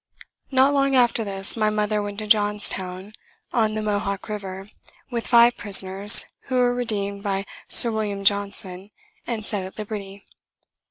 Not long after this, my mother went to Johnstown, on the Mohawk river, with five prisoners, who were redeemed by Sir William Johnson, and set at liberty.